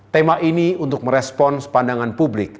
tema ini untuk merespons pandangan publik